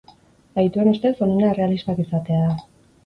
Adituen ustez, onena errealistak izatea da.